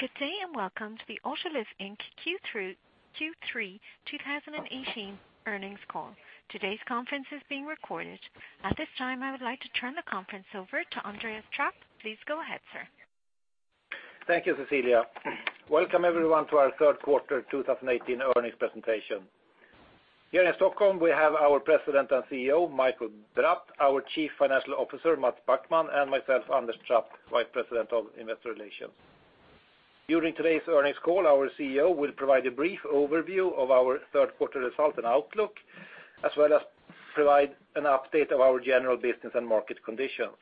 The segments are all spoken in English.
Good day. Welcome to the Autoliv Inc. Q3 2018 earnings call. Today's conference is being recorded. At this time, I would like to turn the conference over to Anders Trapp. Please go ahead, sir. Thank you, Cecilia. Welcome everyone to our third quarter 2018 earnings presentation. Here in Stockholm, we have our President and CEO, Mikael Bratt, our Chief Financial Officer, Mats Backman, and myself, Anders Trapp, Vice President of Investor Relations. During today's earnings call, our CEO will provide a brief overview of our third quarter result and outlook, as well as provide an update of our general business and market conditions.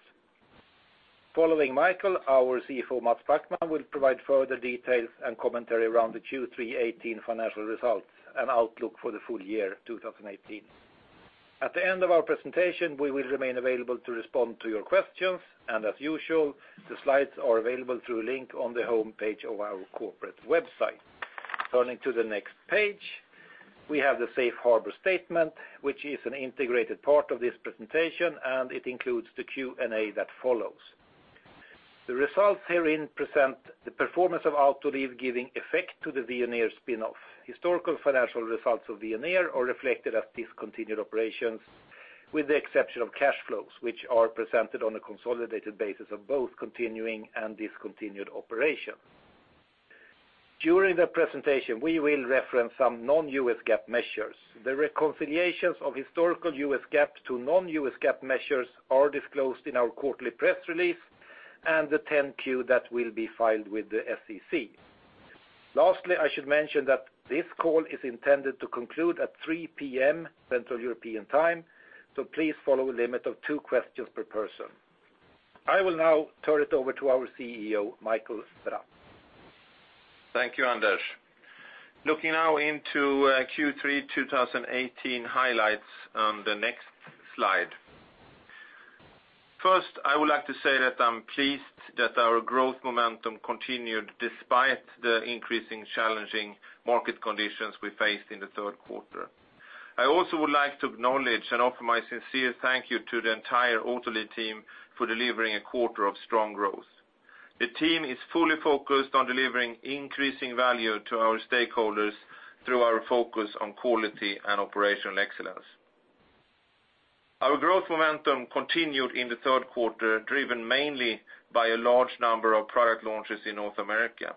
Following Mikael, our CFO, Mats Backman, will provide further details and commentary around the Q3 2018 financial results and outlook for the full year 2018. At the end of our presentation, we will remain available to respond to your questions. As usual, the slides are available through a link on the homepage of our corporate website. Turning to the next page, we have the safe harbor statement, which is an integrated part of this presentation, and it includes the Q&A that follows. The results herein present the performance of Autoliv giving effect to the Veoneer spin-off. Historical financial results of Veoneer are reflected as discontinued operations with the exception of cash flows, which are presented on a consolidated basis of both continuing and discontinued operations. During the presentation, we will reference some non-U.S. GAAP measures. The reconciliations of historical U.S. GAAP to non-U.S. GAAP measures are disclosed in our quarterly press release and the 10-Q that will be filed with the SEC. Lastly, I should mention that this call is intended to conclude at 3:00 P.M. Central European Time. Please follow a limit of two questions per person. I will now turn it over to our CEO, Mikael Bratt. Thank you, Anders. Looking now into Q3 2018 highlights on the next slide. First, I would like to say that I am pleased that our growth momentum continued despite the increasing challenging market conditions we faced in the third quarter. I also would like to acknowledge and offer my sincere thank you to the entire Autoliv team for delivering a quarter of strong growth. The team is fully focused on delivering increasing value to our stakeholders through our focus on quality and operational excellence. Our growth momentum continued in the third quarter, driven mainly by a large number of product launches in North America.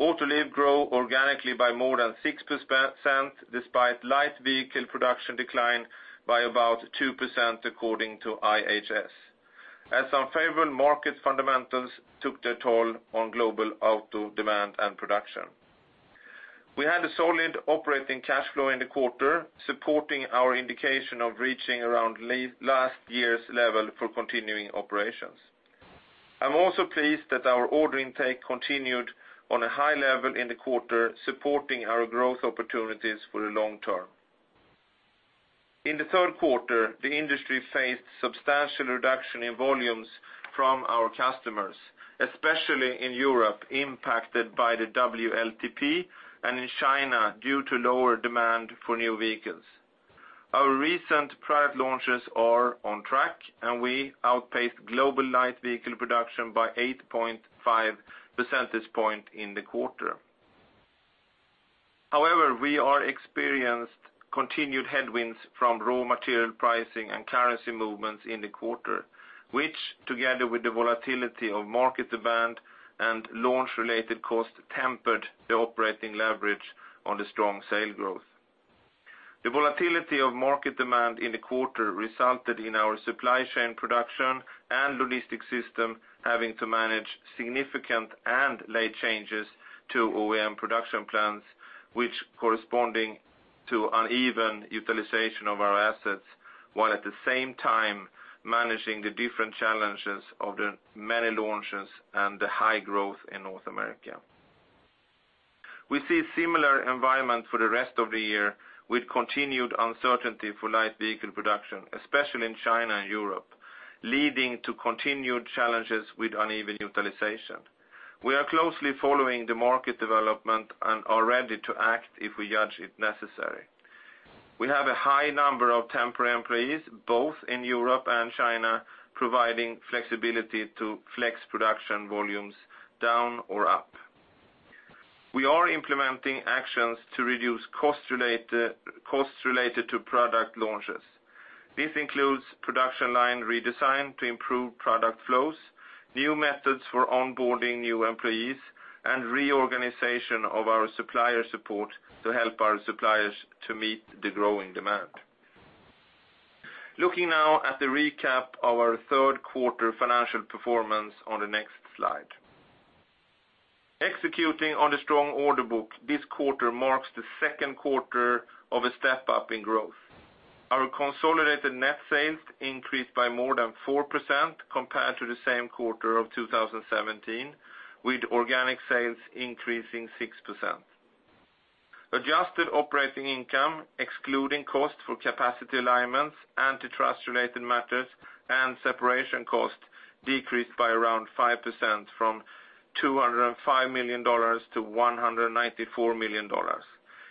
Autoliv grew organically by more than 6% despite light vehicle production decline by about 2% according to IHS. Unfavorable market fundamentals took their toll on global auto demand and production. We had a solid operating cash flow in the quarter, supporting our indication of reaching around last year's level for continuing operations. I'm also pleased that our order intake continued on a high level in the quarter, supporting our growth opportunities for the long term. In the third quarter, the industry faced substantial reduction in volumes from our customers, especially in Europe, impacted by the WLTP, and in China, due to lower demand for new vehicles. Our recent product launches are on track, and we outpaced global light vehicle production by 8.5 percentage point in the quarter. However, we experienced continued headwinds from raw material pricing and currency movements in the quarter, which, together with the volatility of market demand and launch-related costs, tempered the operating leverage on the strong sales growth. The volatility of market demand in the quarter resulted in our supply chain production and logistics system having to manage significant and late changes to OEM production plans, which corresponding to uneven utilization of our assets, while at the same time managing the different challenges of the many launches and the high growth in North America. We see similar environment for the rest of the year with continued uncertainty for light vehicle production, especially in China and Europe, leading to continued challenges with uneven utilization. We are closely following the market development and are ready to act if we judge it necessary. We have a high number of temporary employees, both in Europe and China, providing flexibility to flex production volumes down or up. We are implementing actions to reduce costs related to product launches. This includes production line redesign to improve product flows, new methods for onboarding new employees, and reorganization of our supplier support to help our suppliers to meet the growing demand. Looking now at the recap of our third quarter financial performance on the next slide. Executing on a strong order book, this quarter marks the second quarter of a step-up in growth. Our consolidated net sales increased by more than 4% compared to the same quarter of 2017, with organic sales increasing 6%. Adjusted operating income, excluding costs for capacity alignments, antitrust related matters, and separation costs, decreased by around 5%, from $205 million to $194 million,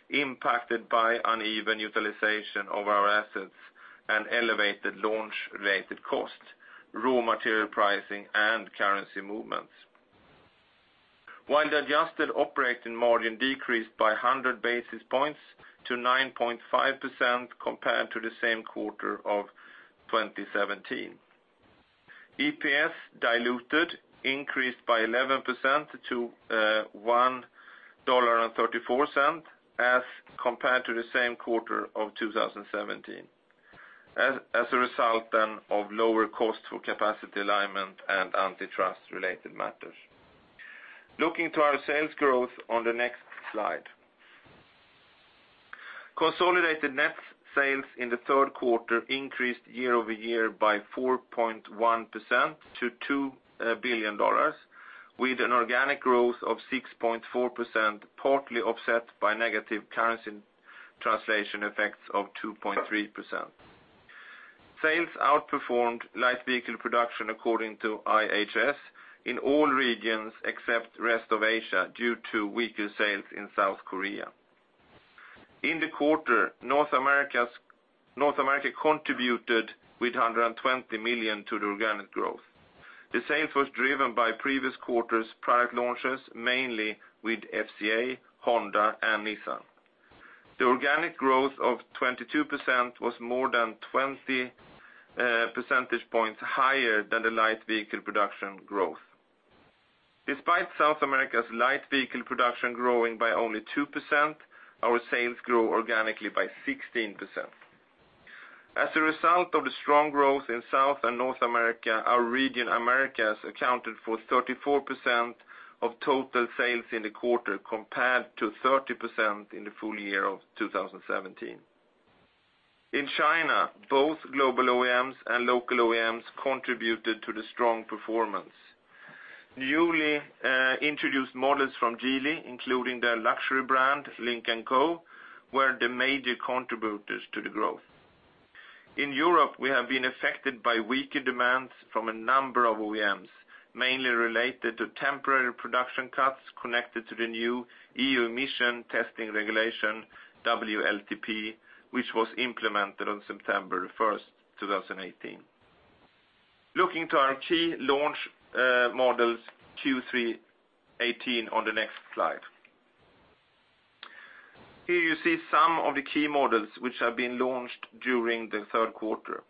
impacted by uneven utilization of our assets, elevated launch-related costs, raw material pricing, and currency movements. While the adjusted operating margin decreased by 100 basis points to 9.5% compared to the same quarter of 2017. EPS diluted increased by 11% to $1.34 as compared to the same quarter of 2017, as a result of lower cost for capacity alignment and antitrust related matters. Looking to our sales growth on the next slide. Consolidated net sales in the third quarter increased year-over-year by 4.1% to $2 billion, with an organic growth of 6.4%, partly offset by negative currency translation effects of 2.3%. Sales outperformed light vehicle production according to IHS in all regions except rest of Asia, due to weaker sales in South Korea. In the quarter, North America contributed with $120 million to the organic growth. Sales were driven by previous quarters' product launches, mainly with FCA, Honda, and Nissan. The organic growth of 22% was more than 20 percentage points higher than the light vehicle production growth. Despite South America's light vehicle production growing by only 2%, our sales grew organically by 16%. As a result of the strong growth in South and North America, our region Americas accounted for 34% of total sales in the quarter, compared to 30% in the full year of 2017. In China, both global OEMs and local OEMs contributed to the strong performance. Newly introduced models from Geely, including their luxury brand, Lynk & Co, were the major contributors to the growth. In Europe, we have been affected by weaker demands from a number of OEMs, mainly related to temporary production cuts connected to the new EU emission testing regulation, WLTP, which was implemented on September 1st, 2018. Looking to our key launch models Q3 2018 on the next slide. Here you see some of the key models which have been launched during the third quarter.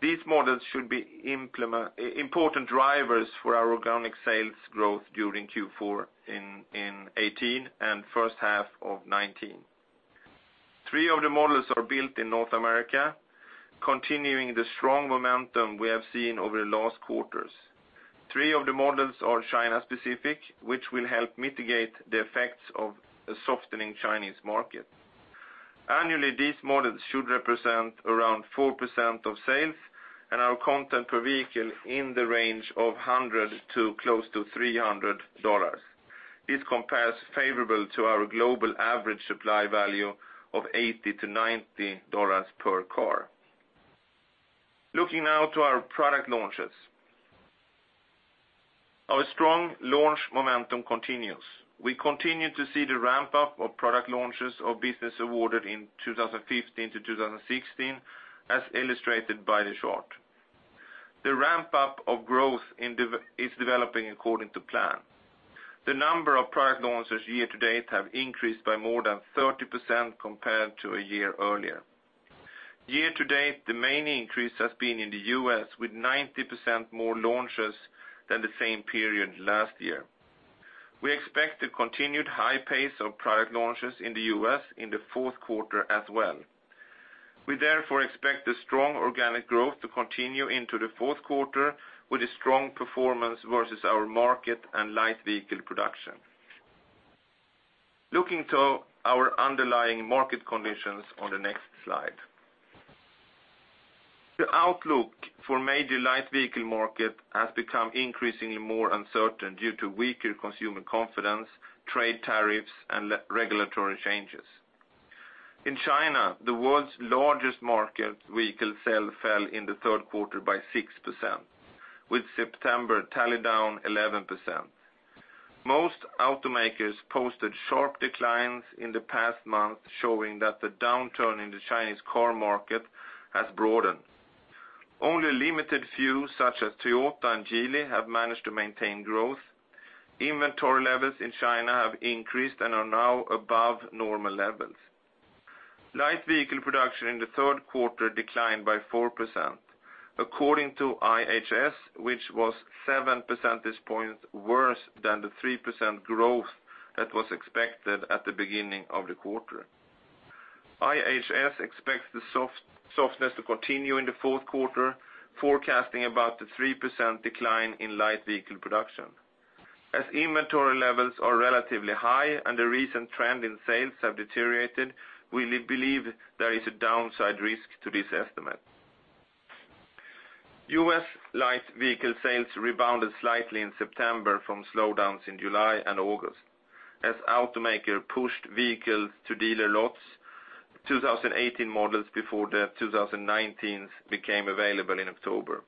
These models should be important drivers for our organic sales growth during Q4 2018 and first half of 2019. Three of the models are built in North America, continuing the strong momentum we have seen over the last quarters. Three of the models are China-specific, which will help mitigate the effects of a softening Chinese market. Annually, these models should represent around 4% of sales and our content per vehicle in the range of $100 to close to $300. This compares favorable to our global average supply value of $80-$90 per car. Looking now to our product launches. Our strong launch momentum continues. We continue to see the ramp-up of product launches of business awarded in 2015-2016, as illustrated by the chart. The ramp-up of growth is developing according to plan. The number of product launches year to date have increased by more than 30% compared to a year earlier. Year to date, the main increase has been in the U.S., with 90% more launches than the same period last year. We expect a continued high pace of product launches in the U.S. in the fourth quarter as well. We therefore expect the strong organic growth to continue into the fourth quarter with a strong performance versus our market and light vehicle production. Looking to our underlying market conditions on the next slide. The outlook for major light vehicle market has become increasingly more uncertain due to weaker consumer confidence, trade tariffs, and regulatory changes. In China, the world's largest market, vehicle sale fell in the third quarter by 6%, with September tally down 11%. Most automakers posted sharp declines in the past month, showing that the downturn in the Chinese car market has broadened. Only a limited few, such as Toyota and Geely, have managed to maintain growth. Inventory levels in China have increased and are now above normal levels. Light vehicle production in the third quarter declined by 4%, according to IHS, which was 7 percentage points worse than the 3% growth that was expected at the beginning of the quarter. IHS expects the softness to continue in the fourth quarter, forecasting about a 3% decline in light vehicle production. As inventory levels are relatively high and the recent trend in sales have deteriorated, we believe there is a downside risk to this estimate. U.S. light vehicle sales rebounded slightly in September from slowdowns in July and August as automaker pushed vehicles to dealer lots, 2018 models before the 2019s became available in October.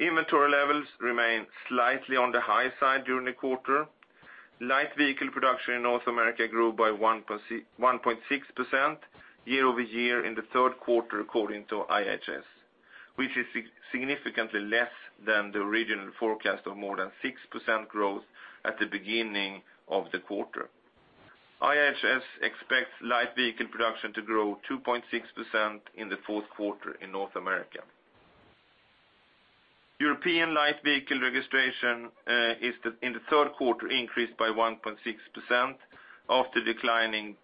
Inventory levels remained slightly on the high side during the quarter. Light vehicle production in North America grew by 1.6% year-over-year in the third quarter, according to IHS, which is significantly less than the original forecast of more than 6% growth at the beginning of the quarter. IHS expects light vehicle production to grow 2.6% in the fourth quarter in North America. European light vehicle registration in the third quarter increased by 1.6% after declining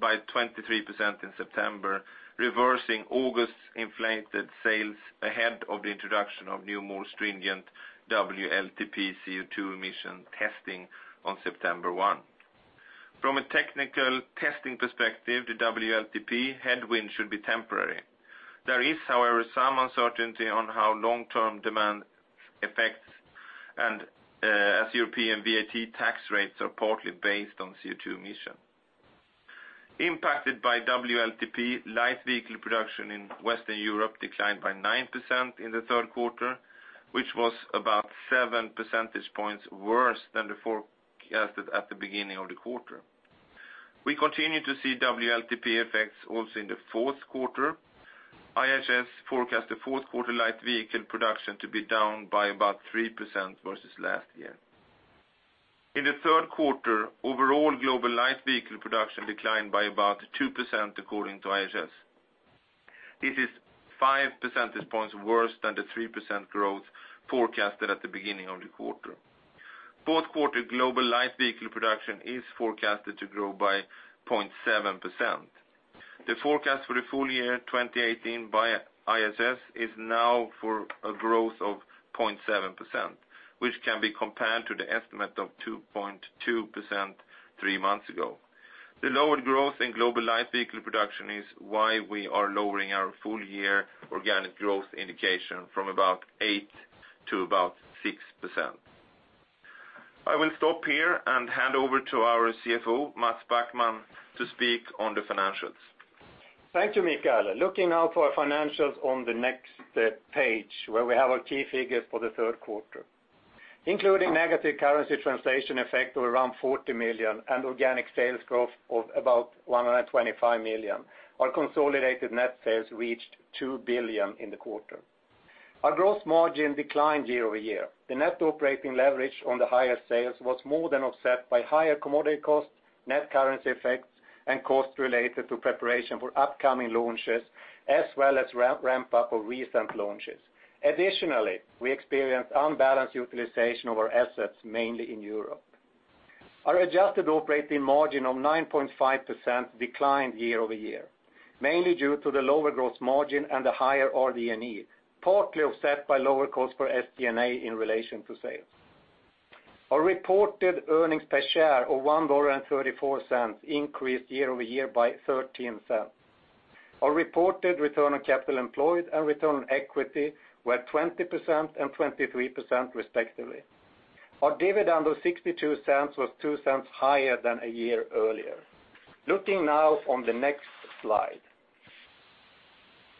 by 23% in September, reversing August's inflated sales ahead of the introduction of new, more stringent WLTP CO2 emission testing on September 1. From a technical testing perspective, the WLTP headwind should be temporary. There is, however, some uncertainty on how long-term demand affects, as European VAT tax rates are partly based on CO2 emission. Impacted by WLTP, light vehicle production in Western Europe declined by 9% in the third quarter, which was about seven percentage points worse than forecasted at the beginning of the quarter. We continue to see WLTP effects also in the fourth quarter. IHS forecast the fourth quarter light vehicle production to be down by about 3% versus last year. In the third quarter, overall global light vehicle production declined by about 2% according to IHS. This is five percentage points worse than the 3% growth forecasted at the beginning of the quarter. Fourth quarter global light vehicle production is forecasted to grow by 0.7%. The forecast for the full year 2018 by IHS is now for a growth of 0.7%, which can be compared to the estimate of 2.2% three months ago. The lower growth in global light vehicle production is why we are lowering our full-year organic growth indication from about 8% to about 6%. I will stop here and hand over to our CFO, Mats Backman, to speak on the financials. Thank you, Mikael. Looking now for our financials on the next page, where we have our key figures for the third quarter. Including negative currency translation effect of around 40 million and organic sales growth of about 125 million, our consolidated net sales reached 2 billion in the quarter. Our gross margin declined year-over-year. The net operating leverage on the higher sales was more than offset by higher commodity costs, net currency effects, and costs related to preparation for upcoming launches, as well as ramp-up of recent launches. Additionally, we experienced unbalanced utilization of our assets, mainly in Europe. Our adjusted operating margin of 9.5% declined year-over-year, mainly due to the lower gross margin and the higher RD&E, partly offset by lower cost for SG&A in relation to sales. Our reported earnings per share of $1.34 increased year-over-year by $0.13. Our reported return on capital employed and return on equity were 20% and 23% respectively. Our dividend of 0.62 was 0.02 higher than a year earlier. Looking now on the next slide.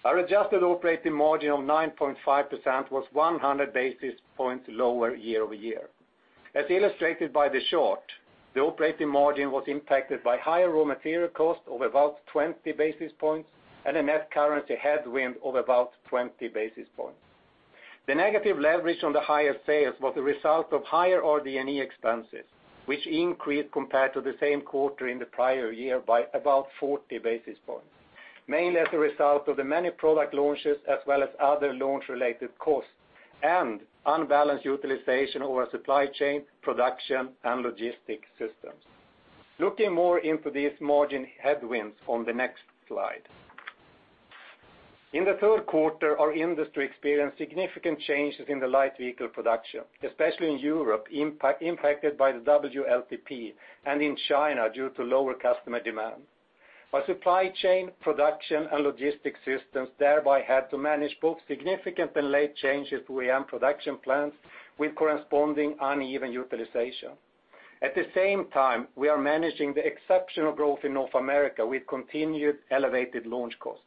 Our adjusted operating margin of 9.5% was 100 basis points lower year-over-year. As illustrated by the chart, the operating margin was impacted by higher raw material cost of about 20 basis points and a net currency headwind of about 20 basis points. The negative leverage on the higher sales was a result of higher RD&E expenses, which increased compared to the same quarter in the prior year by about 40 basis points, mainly as a result of the many product launches as well as other launch-related costs and unbalanced utilization of our supply chain, production, and logistics systems. Looking more into these margin headwinds on the next slide. In the third quarter, our industry experienced significant changes in the Light Vehicle Production, especially in Europe, impacted by the WLTP, and in China due to lower customer demand. Our supply chain, production, and logistics systems thereby had to manage both significant and late changes to OEM production plans with corresponding uneven utilization. At the same time, we are managing the exceptional growth in North America with continued elevated launch costs.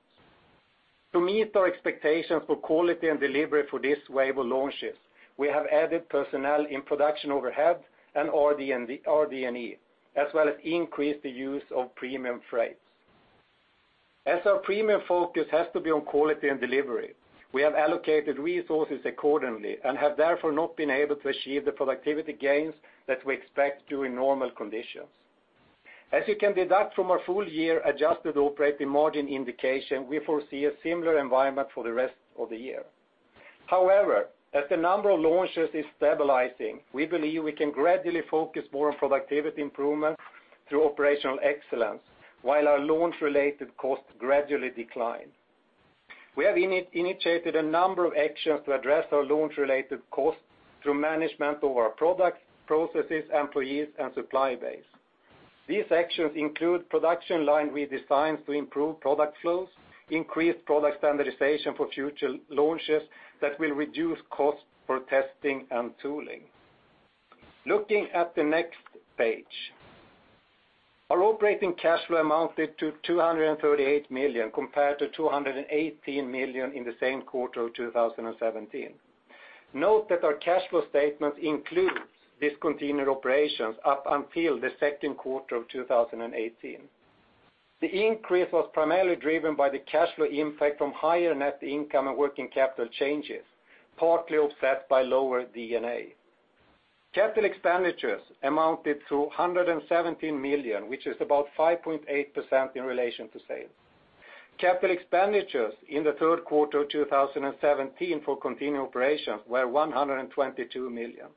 To meet our expectations for quality and delivery for this wave of launches, we have added personnel in production overhead and RD&E, as well as increased the use of premium freights. As our premium focus has to be on quality and delivery, we have allocated resources accordingly and have therefore not been able to achieve the productivity gains that we expect during normal conditions. As you can deduct from our full-year adjusted operating margin indication, we foresee a similar environment for the rest of the year. As the number of launches is stabilizing, we believe we can gradually focus more on productivity improvement through operational excellence while our launch-related costs gradually decline. We have initiated a number of actions to address our launch-related costs through management of our products, processes, employees, and supply base. These actions include production line redesigns to improve product flows, increased product standardization for future launches that will reduce cost for testing and tooling. Looking at the next page. Operating cash flow amounted to 238 million, compared to 218 million in the same quarter of 2017. Note that our cash flow statement includes discontinued operations up until the second quarter of 2018. The increase was primarily driven by the cash flow impact from higher net income and working capital changes, partly offset by lower D&A. Capital expenditures amounted to 117 million, which is about 5.8% in relation to sales. Capital expenditures in the third quarter of 2017 for continuing operations were 122 million.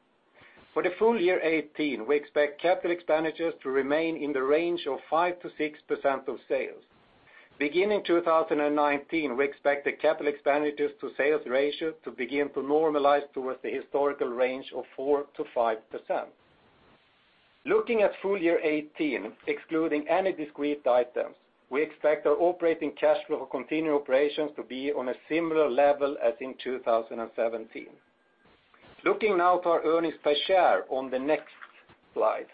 For the full year 2018, we expect capital expenditures to remain in the range of 5%-6% of sales. Beginning 2019, we expect the capital expenditures to sales ratio to begin to normalize towards the historical range of 4%-5%. Looking at full year 2018, excluding any discrete items, we expect our operating cash flow for continuing operations to be on a similar level as in 2017. Looking now to our earnings per share on the next slide.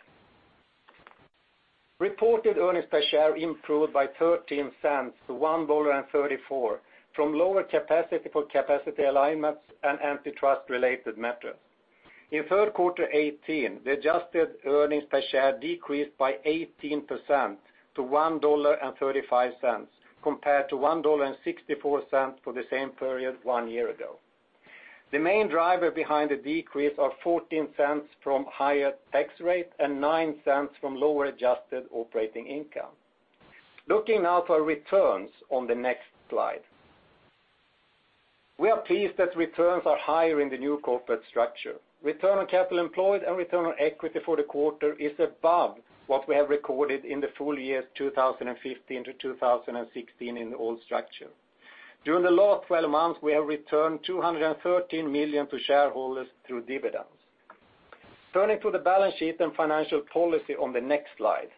Reported earnings per share improved by $0.13 to $1.34 from lower capacity for capacity alignments and antitrust related matters. In Q3 2018, the adjusted earnings per share decreased by 18% to $1.35 compared to $1.64 for the same period one year ago. The main driver behind the decrease are $0.14 from higher tax rate and $0.09 from lower adjusted operating income. Looking now to our returns on the next slide. We are pleased that returns are higher in the new corporate structure. Return on capital employed and return on equity for the quarter is above what we have recorded in the full years 2015 to 2016 in the old structure. During the last 12 months, we have returned $213 million to shareholders through dividends. Turning to the balance sheet and financial policy on the next slide.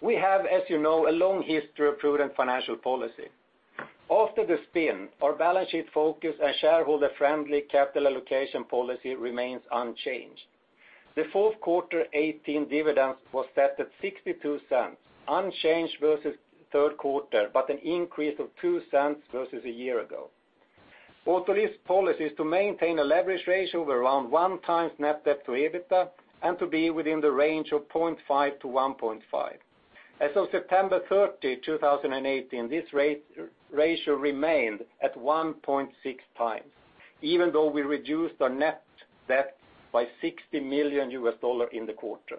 We have, as you know, a long history of prudent financial policy. After the spin, our balance sheet focus and shareholder-friendly capital allocation policy remains unchanged. The Q4 2018 dividends was set at $0.62, unchanged versus Q3, but an increase of $0.02 versus a year ago. Autoliv's policy is to maintain a leverage ratio of around one times net debt to EBITDA and to be within the range of 0.5 to 1.5. As of September 30, 2018, this ratio remained at 1.6 times, even though we reduced our net debt by $60 million in the quarter.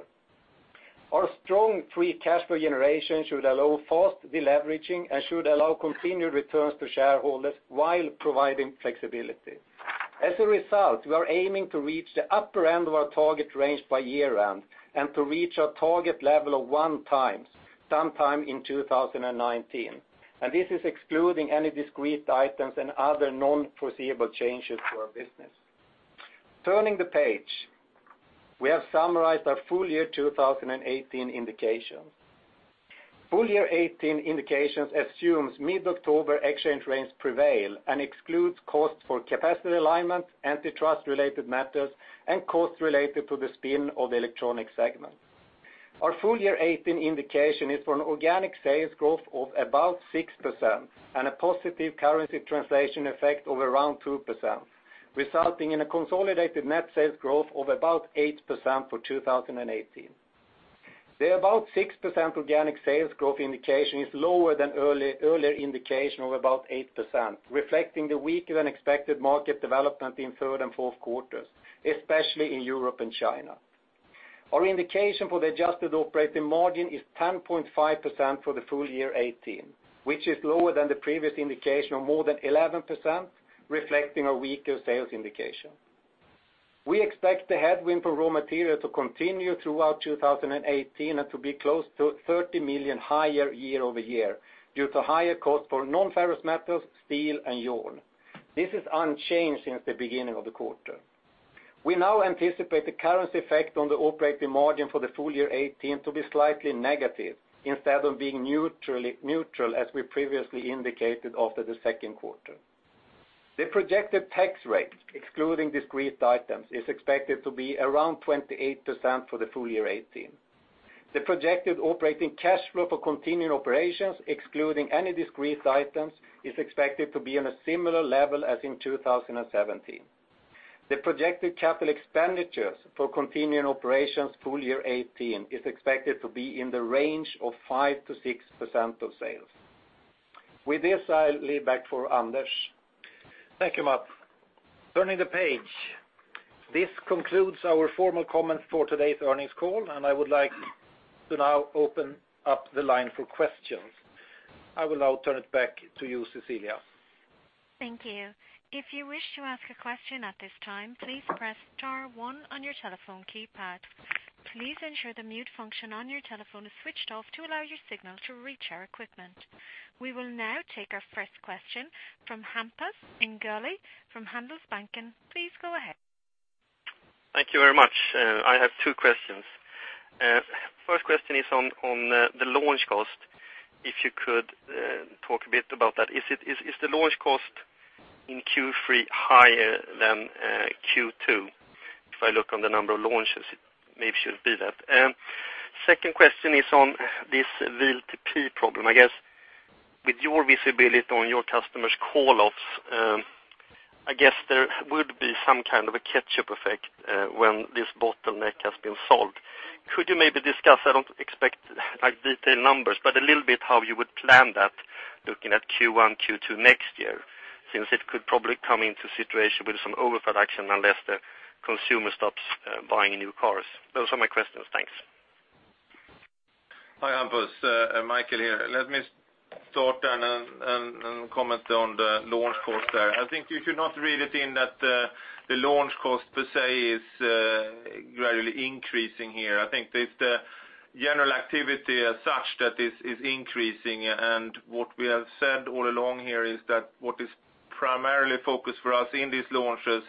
Our strong free cash flow generation should allow fast deleveraging and should allow continued returns to shareholders while providing flexibility. As a result, we are aiming to reach the upper end of our target range by year-end and to reach our target level of one times sometime in 2019. This is excluding any discrete items and other non-foreseeable changes to our business. Turning the page, we have summarized our full year 2018 indications. Full year 2018 indications assumes mid-October exchange rates prevail and excludes cost for capacity alignment, antitrust related matters, and costs related to the spin of the electronic segment. Our full year 2018 indication is for an organic sales growth of about 6% and a positive currency translation effect of around 2%, resulting in a consolidated net sales growth of about 8% for 2018. The about 6% organic sales growth indication is lower than earlier indication of about 8%, reflecting the weaker than expected market development in Q3 and Q4, especially in Europe and China. Our indication for the adjusted operating margin is 10.5% for the full year 2018, which is lower than the previous indication of more than 11%, reflecting a weaker sales indication. We expect the headwind for raw material to continue throughout 2018 and to be close to 30 million higher year-over-year, due to higher cost for non-ferrous metals, steel, and yarn. This is unchanged since the beginning of the quarter. We now anticipate the currency effect on the operating margin for the full year 2018 to be slightly negative instead of being neutral as we previously indicated after Q2. The projected tax rate, excluding discrete items, is expected to be around 28% for the full year 2018. The projected operating cash flow for continuing operations, excluding any discrete items, is expected to be on a similar level as in 2017. The projected capital expenditures for continuing operations full year 2018 is expected to be in the range of 5%-6% of sales. With this, I'll lead back for Anders. Thank you, Mats. Turning the page. This concludes our formal comments for today's earnings call. I would like to now open up the line for questions. I will now turn it back to you, Cecilia. Thank you. If you wish to ask a question at this time, please press star one on your telephone keypad. Please ensure the mute function on your telephone is switched off to allow your signal to reach our equipment. We will now take our first question from Hampus Engellau from Handelsbanken. Please go ahead. Thank you very much. I have two questions. First question is on the launch cost, if you could talk a bit about that. Is the launch cost in Q3 higher than Q2. If I look on the number of launches, it maybe should be that. Second question is on this WLTP problem. I guess with your visibility on your customers' call-offs, I guess there would be some kind of a catch-up effect when this bottleneck has been solved. Could you maybe discuss, I don't expect detailed numbers, but a little bit how you would plan that looking at Q1, Q2 next year, since it could probably come into situation with some overproduction unless the consumer stops buying new cars. Those are my questions. Thanks. Hi, Hampus. Mikael here. Let me start and comment on the launch cost there. I think you should not read it in that the launch cost per se is gradually increasing here. I think that it's the general activity as such that is increasing. What we have said all along here is that what is primarily focused for us in these launches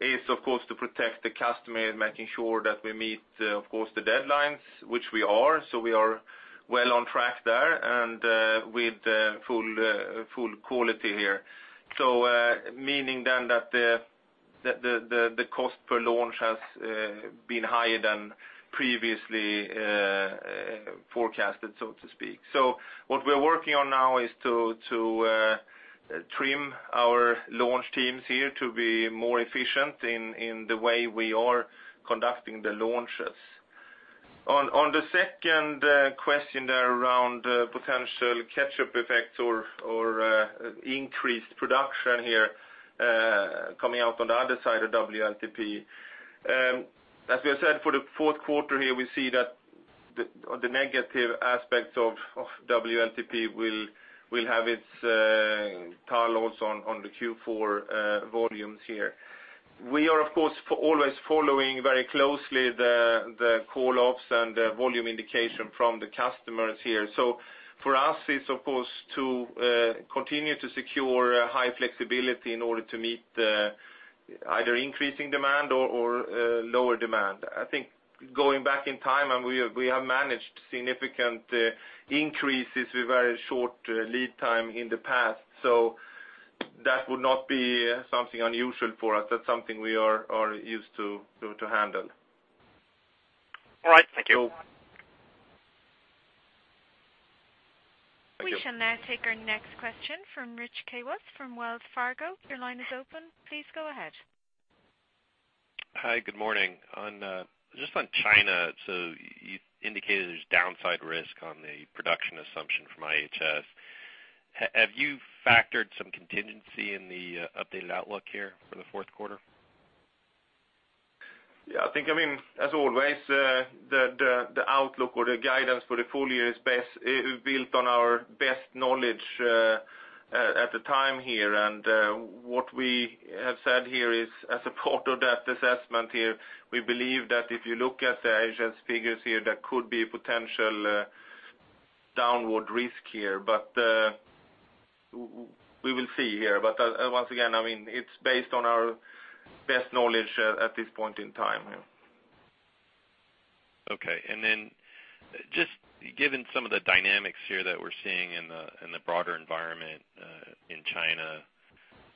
is, of course, to protect the customer, making sure that we meet, of course, the deadlines, which we are. We are well on track there and with full quality here. Meaning then that the cost per launch has been higher than previously forecasted, so to speak. What we're working on now is to trim our launch teams here to be more efficient in the way we are conducting the launches. On the second question there around potential catch-up effect or increased production here, coming out on the other side of WLTP. As we have said for the fourth quarter here, we see that the negative aspects of WLTP will have its toll also on the Q4 volumes here. We are, of course, always following very closely the call-offs and volume indication from the customers here. For us, it's, of course, to continue to secure high flexibility in order to meet either increasing demand or lower demand. I think going back in time, we have managed significant increases with very short lead time in the past, so that would not be something unusual for us. That's something we are used to handle. All right. Thank you. Thank you. We shall now take our next question from Rich Kwas from Wells Fargo. Your line is open. Please go ahead. Hi, good morning. Just on China, you indicated there's downside risk on the production assumption from IHS. Have you factored some contingency in the updated outlook here for the fourth quarter? Yeah, I think, as always, the outlook or the guidance for the full year is built on our best knowledge at the time here. What we have said here is as a part of that assessment here, we believe that if you look at the IHS figures here, there could be potential downward risk here. We will see here. Once again, it's based on our best knowledge at this point in time. Okay. Just given some of the dynamics here that we're seeing in the broader environment, in China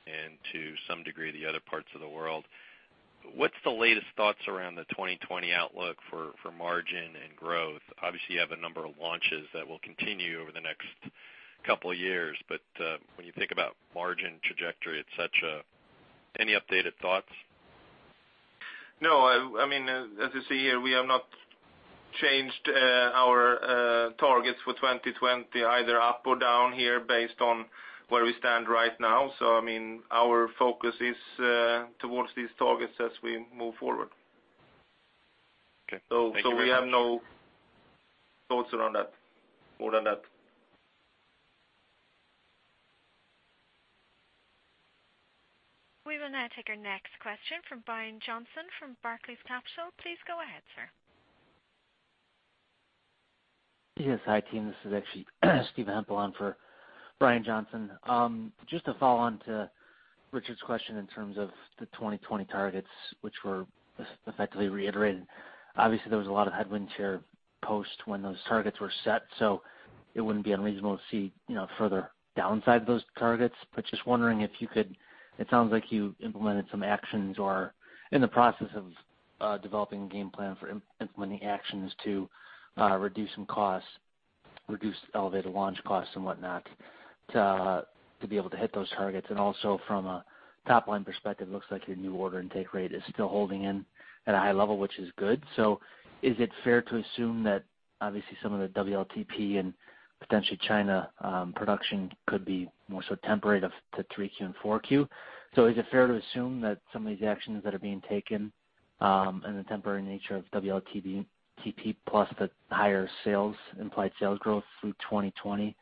and to some degree the other parts of the world, what's the latest thoughts around the 2020 outlook for margin and growth? Obviously, you have a number of launches that will continue over the next couple of years, when you think about margin trajectory, et cetera, any updated thoughts? No. As you see here, we have not changed our targets for 2020 either up or down here based on where we stand right now. Our focus is towards these targets as we move forward. Okay. Thank you very much. We have no thoughts around that, more than that. We will now take our next question from Brian Johnson from Barclays Capital. Please go ahead, sir. Yes, hi, team. This is actually Steven Hempel on for Brian Johnson. Just to follow on to Rick Kwas question in terms of the 2020 targets, which were effectively reiterated. Obviously, there was a lot of headwinds here post when those targets were set, so it wouldn't be unreasonable to see further downside to those targets. Just wondering, it sounds like you implemented some actions or are in the process of developing a game plan for implementing actions to reduce some costs, reduce elevated launch costs and whatnot, to be able to hit those targets. Also from a top-line perspective, looks like your new order intake rate is still holding in at a high level, which is good. Is it fair to assume that obviously some of the WLTP and potentially China production could be more so temporary to 3Q and 4Q? Is it fair to assume that some of these actions that are being taken, and the temporary nature of WLTP plus the higher implied sales growth through 2020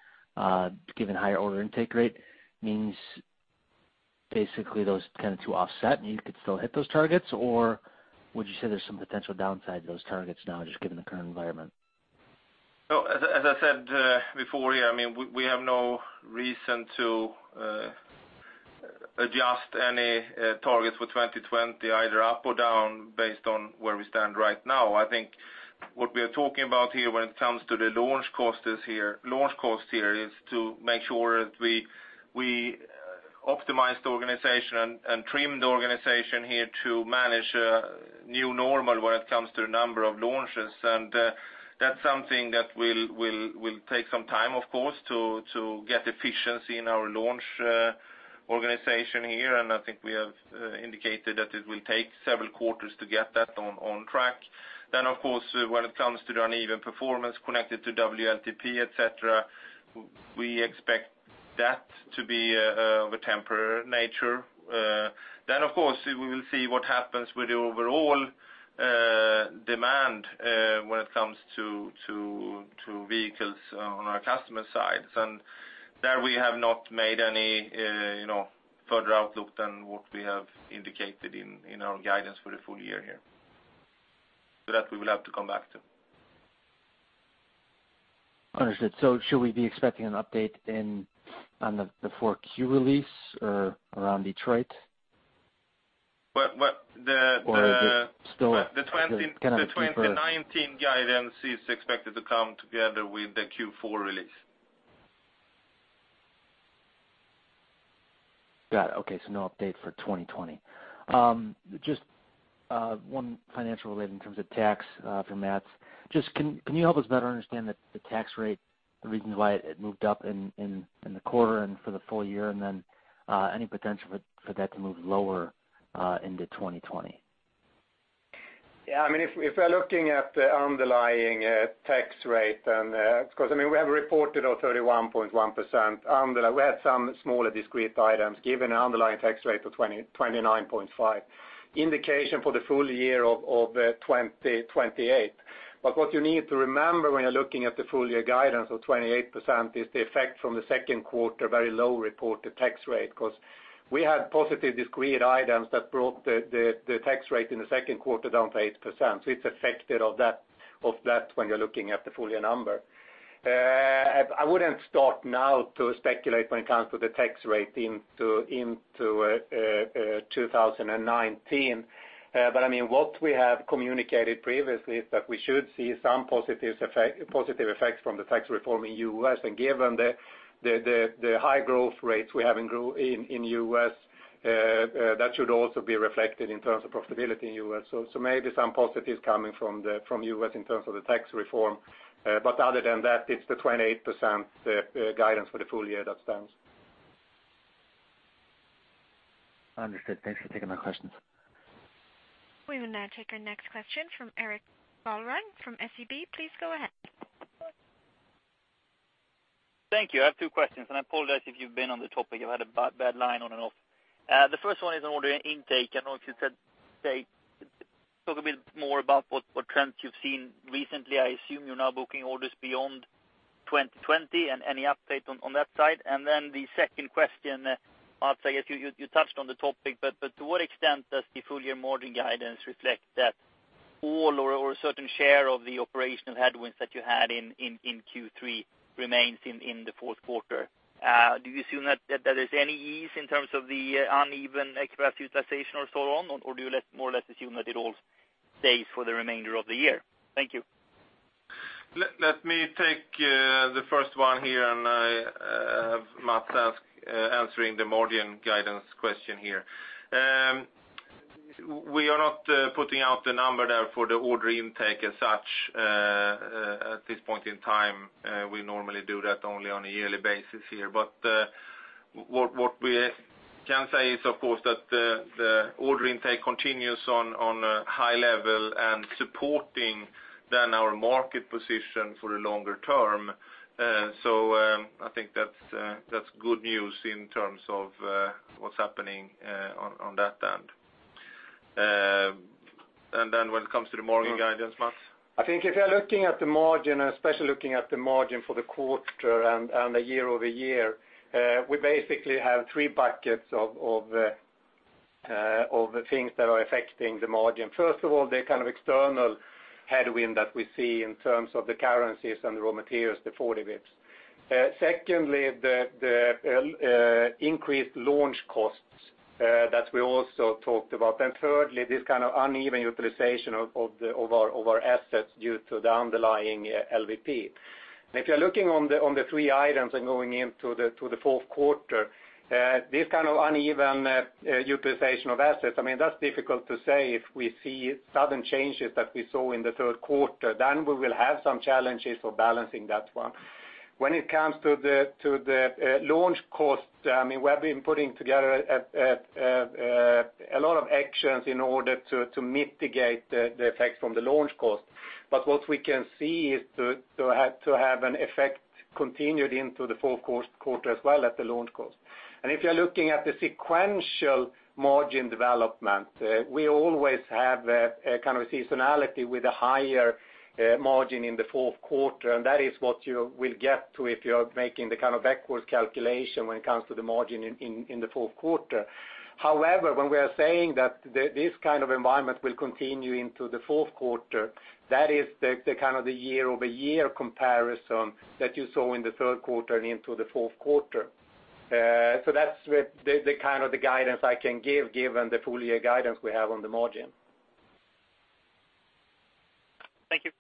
given higher order intake rate means basically those kind of two offset and you could still hit those targets? Or would you say there's some potential downside to those targets now just given the current environment? As I said before here, we have no reason to adjust any targets for 2020 either up or down based on where we stand right now. What we are talking about here when it comes to the launch cost here is to make sure that we optimize the organization and trim the organization here to manage a new normal when it comes to the number of launches. That's something that will take some time, of course, to get efficiency in our launch organization here. I think we have indicated that it will take several quarters to get that on track. Of course when it comes to the uneven performance connected to WLTP, et cetera, we expect that to be of a temporary nature. Of course, we will see what happens with the overall demand when it comes to vehicles on our customer sides. There we have not made any further outlook than what we have indicated in our guidance for the full year here. That we will have to come back to. Understood. Should we be expecting an update on the 4Q release or around Detroit? The- Or is it still- The 2019 guidance is expected to come together with the Q4 release. Got it. Okay. No update for 2020. Just one financial related in terms of tax for Mats. Just can you help us better understand the tax rate, the reasons why it moved up in the quarter and for the full year and then any potential for that to move lower into 2020? Yeah, if we're looking at the underlying tax rate because we have reported on 31.1% underlying. We had some smaller discrete items given an underlying tax rate of 29.5%. Indication for the full year of 28%. What you need to remember when you're looking at the full year guidance of 28% is the effect from the second quarter, very low reported tax rate because we had positive discrete items that brought the tax rate in the second quarter down to 8%. It's affected of that when you're looking at the full year number. I wouldn't start now to speculate when it comes to the tax rate into 2019. What we have communicated previously is that we should see some positive effects from the tax reform in U.S. Given the high growth rates we have in U.S., that should also be reflected in terms of profitability in U.S. Maybe some positives coming from U.S. in terms of the tax reform. Other than that, it's the 28% guidance for the full year that stands. Understood. Thanks for taking my questions. We will now take our next question from Erik Bladh from SEB. Please go ahead. Thank you. I have two questions, I apologize if you've been on the topic. I've had a bad line on and off. The first one is on order intake. I know if you said, talk a bit more about what trends you've seen recently. I assume you're now booking orders beyond 2020 and any update on that side? Then the second question, Mats, I guess you touched on the topic, but to what extent does the full year margin guidance reflect that all or a certain share of the operational headwinds that you had in Q3 remains in the fourth quarter? Do you assume that there's any ease in terms of the uneven excess utilization or so on? Do you more or less assume that it all stays for the remainder of the year? Thank you. Let me take the first one here and have Mats answering the margin guidance question here. We are not putting out the number there for the order intake as such at this point in time. We normally do that only on a yearly basis here. What we can say is of course that the order intake continues on a high level and supporting then our market position for the longer term. I think that's good news in terms of what's happening on that end. When it comes to the margin guidance, Mats? I think if you're looking at the margin, especially looking at the margin for the quarter and the year-over-year, we basically have three buckets of the things that are affecting the margin. First of all, the kind of external headwind that we see in terms of the currencies and the raw materials, the 40 basis points. Secondly, the increased launch costs that we also talked about. Thirdly, this kind of uneven utilization of our assets due to the underlying LVP. If you're looking on the three items and going into the fourth quarter, this kind of uneven utilization of assets, that's difficult to say if we see sudden changes that we saw in the third quarter. We will have some challenges for balancing that one. When it comes to the launch costs, we have been putting together a lot of actions in order to mitigate the effects from the launch cost. What we can see is to have an effect continued into the fourth quarter as well at the launch cost. If you're looking at the sequential margin development, we always have a kind of a seasonality with a higher margin in the fourth quarter, and that is what you will get to if you're making the kind of backwards calculation when it comes to the margin in the fourth quarter. However, when we are saying that this kind of environment will continue into the fourth quarter, that is the kind of the year-over-year comparison that you saw in the third quarter and into the fourth quarter. That's the kind of the guidance I can give, given the full year guidance we have on the margin. Thank you.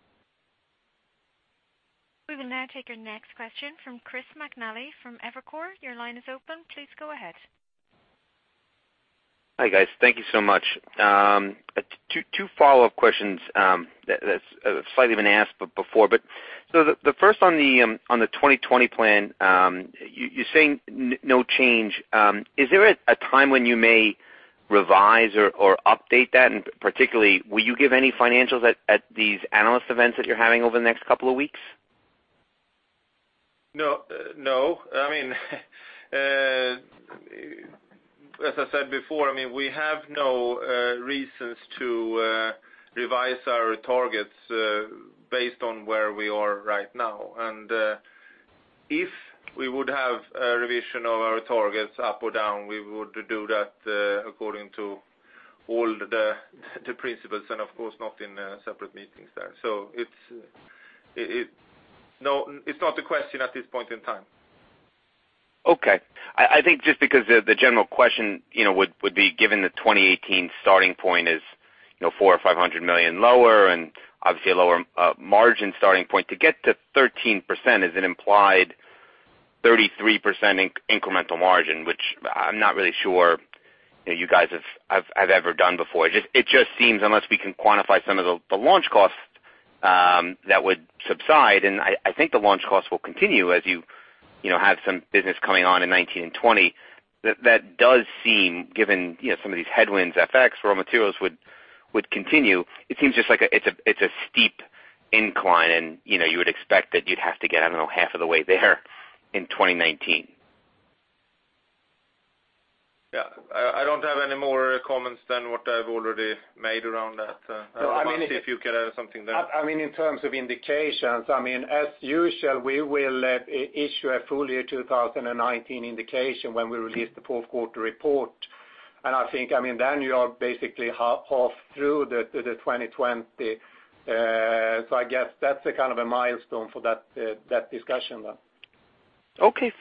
We will now take our next question from Chris McNally from Evercore. Your line is open. Please go ahead. Hi, guys. Thank you so much. Two follow-up questions that's slightly been asked before, but so the first on the 2020 plan, you're saying no change. Is there a time when you may revise or update that? Particularly, will you give any financials at these analyst events that you're having over the next couple of weeks? No. As I said before, we have no reasons to revise our targets based on where we are right now. If we would have a revision of our targets up or down, we would do that according to all the principles and of course, not in separate meetings there. It's not a question at this point in time. Okay. I think just because the general question would be given the 2018 starting point is 400 million or 500 million lower. Obviously a lower margin starting point to get to 13% is an implied 33% incremental margin, which I am not really sure you guys have ever done before. It just seems, unless we can quantify some of the launch costs that would subside. I think the launch costs will continue as you have some business coming on in 2019 and 2020, that does seem given some of these headwinds, FX, raw materials would continue. It seems just like it is a steep incline. You would expect that you would have to get, I do not know, half of the way there in 2019. Yeah. I do not have any more comments than what I have already made around that. No, I mean. Mats, see if you could add something there. In terms of indications, as usual, we will issue a full year 2019 indication when we release the fourth quarter report. I think, then you are basically half through the 2020. I guess that's a kind of a milestone for that discussion there. Okay,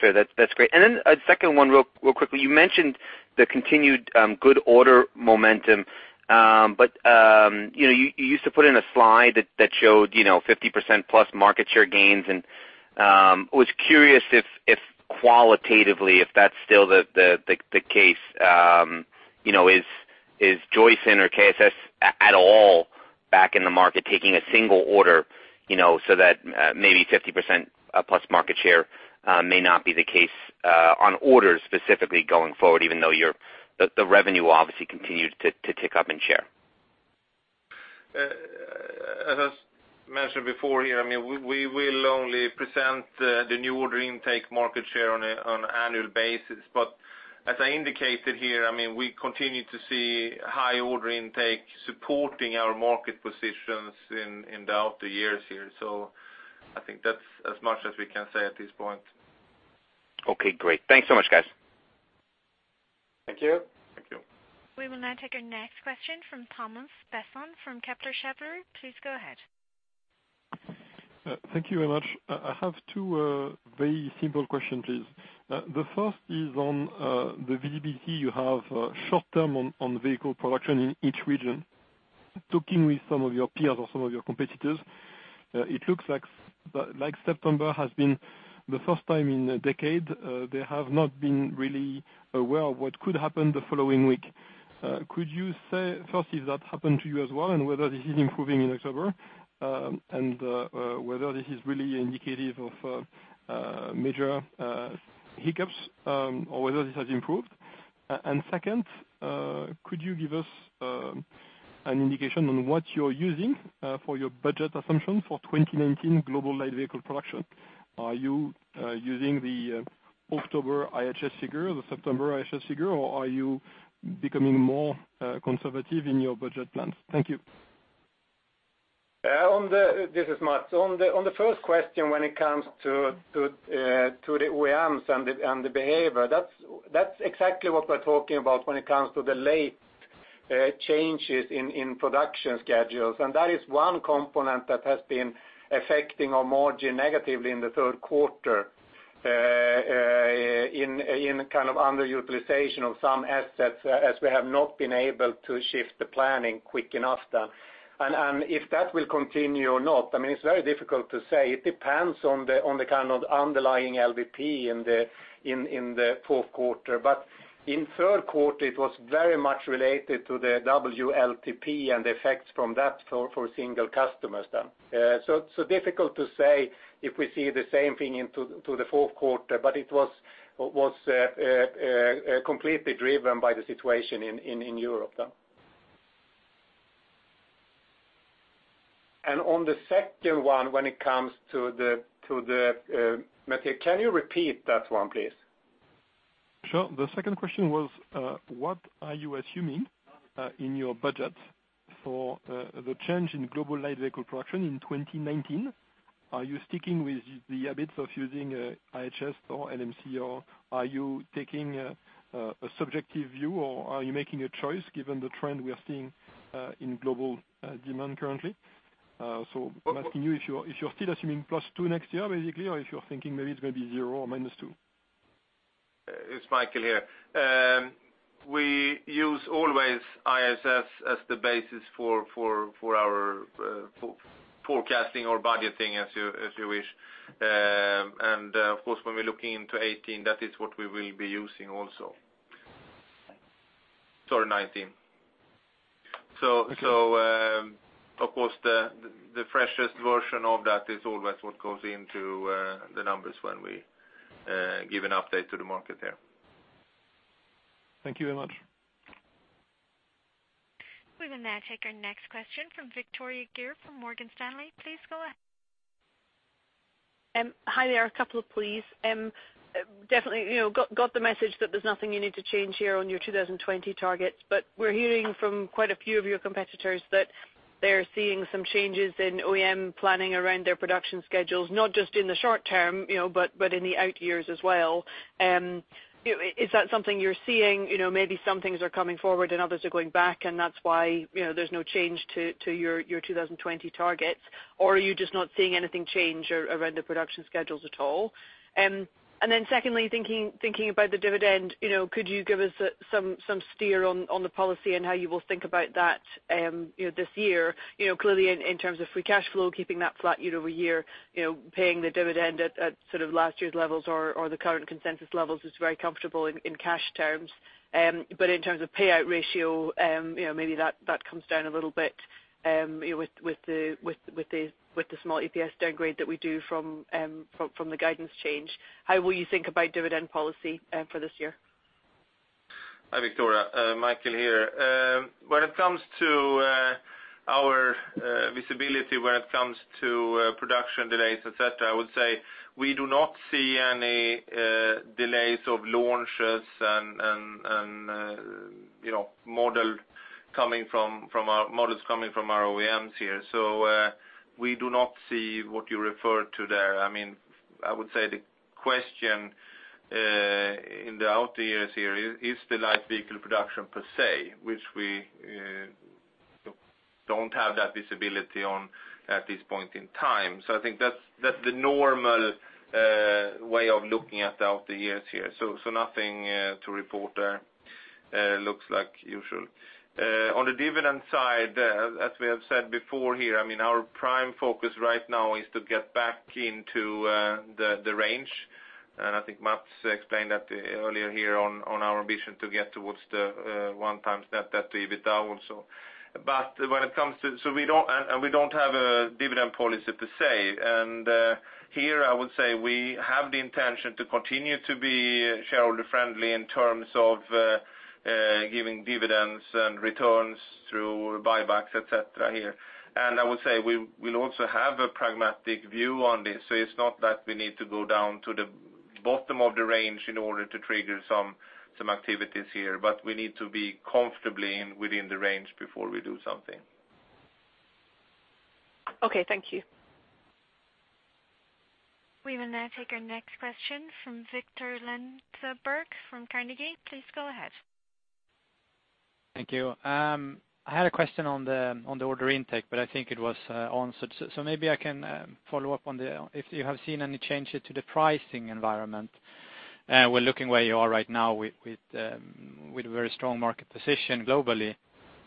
fair. That's great. Then a second one real quickly. You mentioned the continued good order momentum. You used to put in a slide that showed 50% plus market share gains, and was curious if qualitatively, if that's still the case. Is Joyson or KSS at all back in the market taking a single order, so that maybe 50% plus market share may not be the case on orders specifically going forward, even though the revenue obviously continued to tick up in share? As I mentioned before here, we will only present the new order intake market share on annual basis. As I indicated here, we continue to see high order intake supporting our market positions in the outer years here. I think that's as much as we can say at this point. Okay, great. Thanks so much, guys. Thank you. Thank you. We will now take our next question from Thomas Besson from Kepler Cheuvreux. Please go ahead. Thank you very much. I have two very simple questions. The first is on the LVP. You have short-term on vehicle production in each region. Talking with some of your peers or some of your competitors, it looks like September has been the first time in a decade, they have not been really aware of what could happen the following week. Could you say, first if that happened to you as well, and whether this is improving in October, and whether this is really indicative of major hiccups, or whether this has improved? Second, could you give us an indication on what you're using for your budget assumption for 2019 global light vehicle production? Are you using the October IHS figure or the September IHS figure, or are you becoming more conservative in your budget plans? Thank you. This is Mats. On the first question when it comes to the OEMs and the behavior, that's exactly what we're talking about when it comes to the late changes in production schedules. That is one component that has been affecting our margin negatively in the third quarter, in kind of underutilization of some assets as we have not been able to shift the planning quick enough then. If that will continue or not, it's very difficult to say. It depends on the kind of underlying LVP in the fourth quarter. In third quarter, it was very much related to the WLTP and the effects from that for single customers then. Difficult to say if we see the same thing into the fourth quarter, but it was completely driven by the situation in Europe then. On the second one, when it comes to the, Thomas, can you repeat that one, please? Sure. The second question was, what are you assuming in your budget for the change in global light vehicle production in 2019? Are you sticking with the habits of using IHS or LMC, or are you taking a subjective view, or are you making a choice given the trend we are seeing in global demand currently? I'm asking you if you're still assuming plus two next year, basically, or if you're thinking maybe it's going to be zero or minus two. It's Mikael here. We use always IHS as the basis for our forecasting or budgeting as you wish. Of course, when we're looking into 2018, that is what we will be using also. Sorry, 2019. Of course, the freshest version of that is always what goes into the numbers when we give an update to the market there. Thank you very much. We will now take our next question from Victoria Greer from Morgan Stanley. Please go ahead. Hi there, a couple, please. Definitely got the message that there's nothing you need to change here on your 2020 targets. We're hearing from quite a few of your competitors that they're seeing some changes in OEM planning around their production schedules, not just in the short term, but in the out years as well. Is that something you're seeing? Maybe some things are coming forward and others are going back, and that's why there's no change to your 2020 targets. Are you just not seeing anything change around the production schedules at all? Secondly, thinking about the dividend, could you give us some steer on the policy and how you will think about that this year? Clearly in terms of free cash flow, keeping that flat year-over-year, paying the dividend at sort of last year's levels or the current consensus levels is very comfortable in cash terms. In terms of payout ratio, maybe that comes down a little bit with the small EPS downgrade that we do from the guidance change. How will you think about dividend policy for this year? Hi, Victoria. Mikael here. When it comes to our visibility, when it comes to production delays, et cetera, I would say we do not see any delays of launches and models coming from our OEMs here. We do not see what you refer to there. I would say the question in the out years here is the light vehicle production per se, which we do not have that visibility on at this point in time. I think that's the normal way of looking at the out years here. Nothing to report there. Looks like usual. On the dividend side, as we have said before here, our prime focus right now is to get back into the range. I think Mats explained that earlier here on our ambition to get towards the 1 times net debt to EBITDA also. We do not have a dividend policy per se. Here I would say we have the intention to continue to be shareholder friendly in terms of giving dividends and returns through buybacks, et cetera here. I would say we will also have a pragmatic view on this. It's not that we need to go down to the bottom of the range in order to trigger some activities here, but we need to be comfortably within the range before we do something. Okay. Thank you. We will now take our next question from Viktor Lindeberg from Carnegie. Please go ahead. Thank you. I had a question on the order intake, but I think it was answered. Maybe I can follow up. If you have seen any changes to the pricing environment. We're looking where you are right now with a very strong market position globally.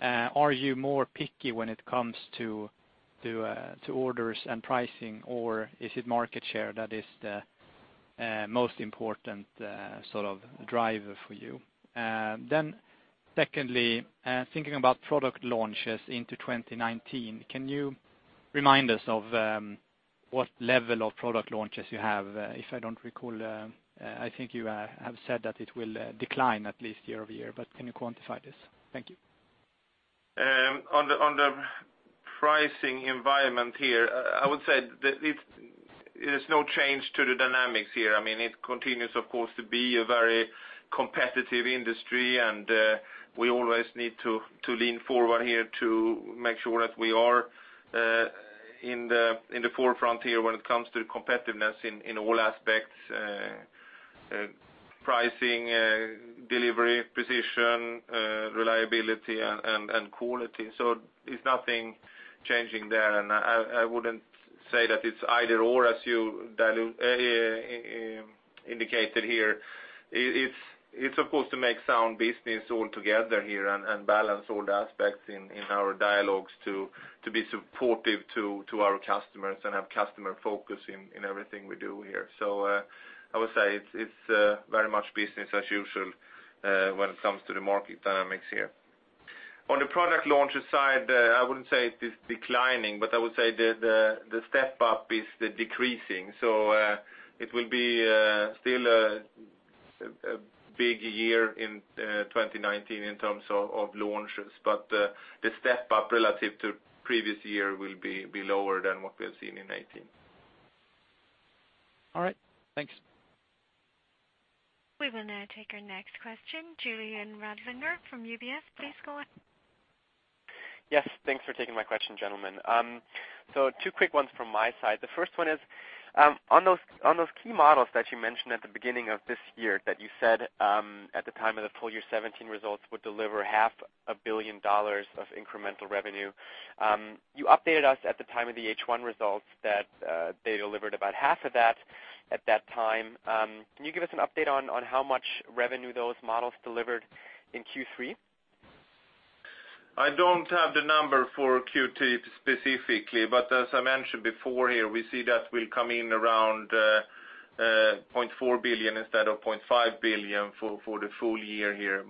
Are you more picky when it comes to orders and pricing, or is it market share that is the most important sort of driver for you? Secondly, thinking about product launches into 2019, can you remind us of what level of product launches you have? If I don't recall, I think you have said that it will decline at least year-over-year, but can you quantify this? Thank you. On the pricing environment here, I would say there's no change to the dynamics here. It continues, of course, to be a very competitive industry, and we always need to lean forward here to make sure that we are in the forefront here when it comes to competitiveness in all aspects, pricing, delivery, position, reliability and quality. It's nothing changing there. I wouldn't say that it's either/or, as you indicated here. It's supposed to make sound business all together here and balance all the aspects in our dialogues to be supportive to our customers and have customer focus in everything we do here. I would say it's very much business as usual when it comes to the market dynamics here. On the product launches side, I wouldn't say it is declining, but I would say the step-up is decreasing. It will be still a big year in 2019 in terms of launches. The step-up relative to previous year will be lower than what we have seen in 2018. All right. Thanks. We will now take our next question, Julian Radlinger from UBS. Please go ahead. Yes, thanks for taking my question, gentlemen. two quick ones from my side. The first one is, on those key models that you mentioned at the beginning of this year, that you said at the time of the full year 2017 results would deliver half A billion dollars of incremental revenue. You updated us at the time of the H1 results that they delivered about half of that at that time. Can you give us an update on how much revenue those models delivered in Q3? I don't have the number for Q3 specifically, as I mentioned before here, we see that will come in around $0.4 billion instead of $0.5 billion for the full year here.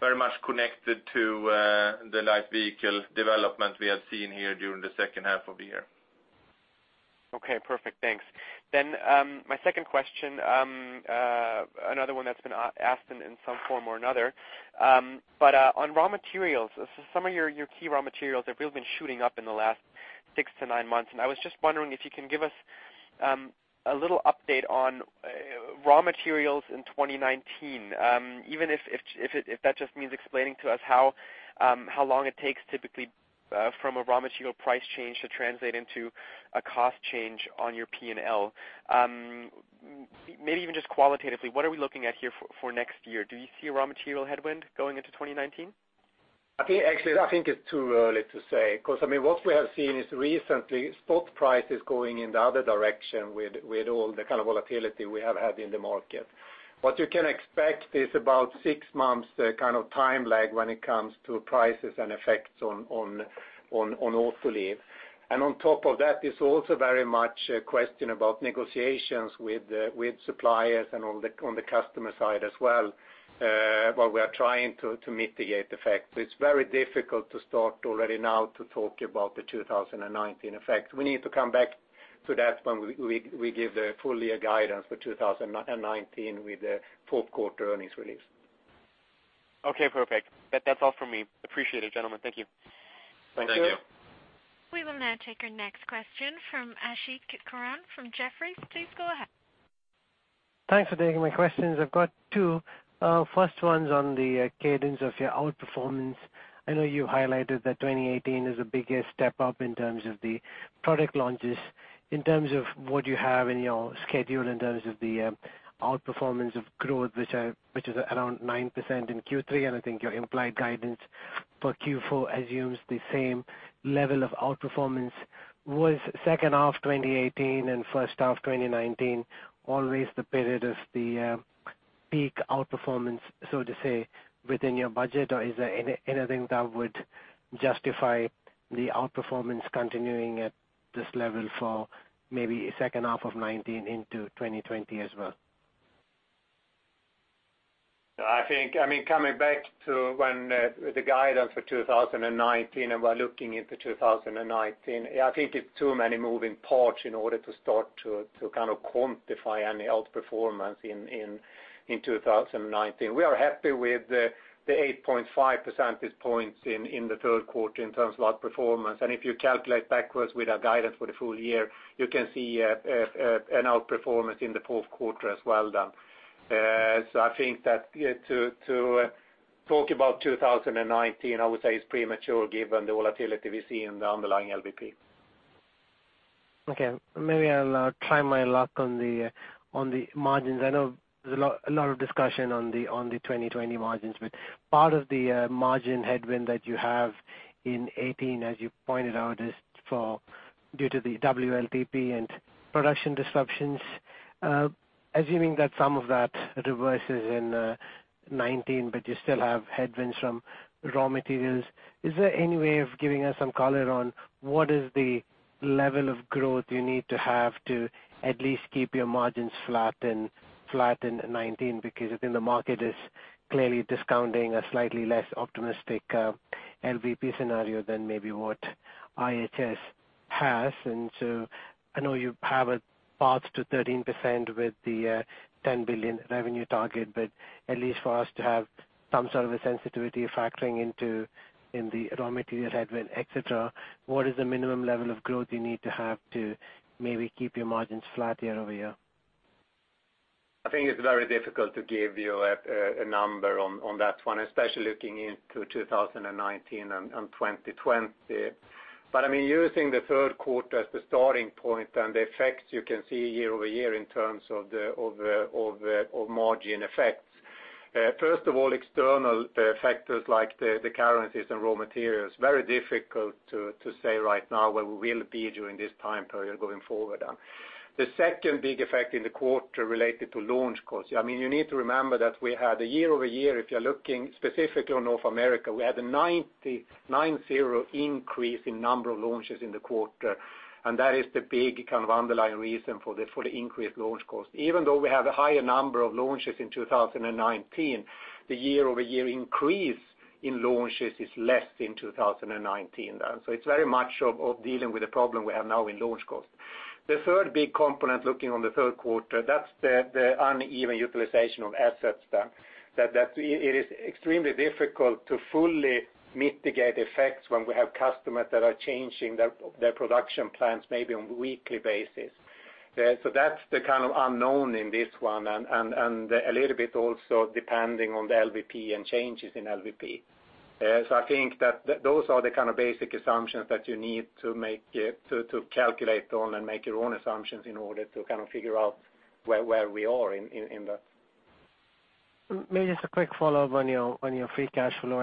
very much connected to the light vehicle development we have seen here during the second half of the year. Okay, perfect. Thanks. My second question, another one that's been asked in some form or another. On raw materials, some of your key raw materials have really been shooting up in the last six to nine months. I was just wondering if you can give us a little update on raw materials in 2019. Even if that just means explaining to us how long it takes typically from a raw material price change to translate into a cost change on your P&L. Maybe even just qualitatively, what are we looking at here for next year? Do you see a raw material headwind going into 2019? Actually, I think it's too early to say. What we have seen is recently stock prices going in the other direction with all the kind of volatility we have had in the market. What you can expect is about six months kind of time lag when it comes to prices and effects on Autoliv. On top of that, it's also very much a question about negotiations with suppliers and on the customer side as well, while we are trying to mitigate the effect. It's very difficult to start already now to talk about the 2019 effect. We need to come back to that when we give the full year guidance for 2019 with the fourth quarter earnings release. Okay, perfect. That's all from me. Appreciate it, gentlemen. Thank you. Thank you. We will now take our next question from Ashik Kurian from Jefferies. Please go ahead. Thanks for taking my questions. I've got two. First one's on the cadence of your outperformance. I know you highlighted that 2018 is the biggest step up in terms of the product launches. In terms of what you have in your schedule, in terms of the outperformance of growth, which is around 9% in Q3, and I think your implied guidance for Q4 assumes the same level of outperformance. Was second half 2018 and first half 2019 always the period of the peak outperformance, so to say, within your budget? Is there anything that would justify the outperformance continuing at this level for maybe second half of 2019 into 2020 as well? Coming back to when the guidance for 2019 and we're looking into 2019, I think it's too many moving parts in order to start to quantify any outperformance in 2019. We are happy with the 8.5 percentage points in the third quarter in terms of outperformance. If you calculate backwards with our guidance for the full year, you can see an outperformance in the fourth quarter as well then. I think that to talk about 2019, I would say is premature given the volatility we see in the underlying LVP. Okay. Maybe I'll try my luck on the margins. I know there's a lot of discussion on the 2020 margins, part of the margin headwind that you have in 2018, as you pointed out, is due to the WLTP and production disruptions. Assuming that some of that reverses in 2019, you still have headwinds from raw materials, is there any way of giving us some color on what is the level of growth you need to have to at least keep your margins flat in 2019? I think the market is clearly discounting a slightly less optimistic LVP scenario than maybe what IHS has. I know you have a path to 13% with the 10 billion revenue target, but at least for us to have some sort of a sensitivity factoring into in the raw material headwind, et cetera, what is the minimum level of growth you need to have to maybe keep your margins flat year-over-year? I think it's very difficult to give you a number on that one, especially looking into 2019 and 2020. Using the third quarter as the starting point and the effects you can see year-over-year in terms of margin effects. First of all, external factors like the currencies and raw materials, very difficult to say right now where we will be during this time period going forward. The second big effect in the quarter related to launch costs. You need to remember that we had a year-over-year, if you're looking specifically on North America, we had a 90, 9-0, increase in number of launches in the quarter, and that is the big kind of underlying reason for the increased launch cost. Even though we have a higher number of launches in 2019, the year-over-year increase in launches is less in 2019 then. It's very much of dealing with a problem we have now in launch costs. The third big component looking on the third quarter, that's the uneven utilization of assets then. That it is extremely difficult to fully mitigate effects when we have customers that are changing their production plans maybe on a weekly basis. That's the kind of unknown in this one and a little bit also depending on the LVP and changes in LVP. I think that those are the kind of basic assumptions that you need to calculate on and make your own assumptions in order to kind of figure out where we are in that. Maybe just a quick follow-up on your free cash flow.